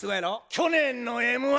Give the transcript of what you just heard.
去年の「Ｍ−１」